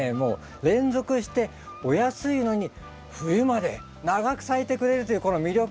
連続してお安いのに冬まで長く咲いてくれるというこの魅力。